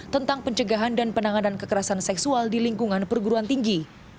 tentang pencegahan dan penanganan kekerasan seksual di lingkungan perguruan tinggi